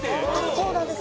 そうなんです。